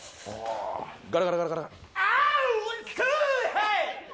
はい！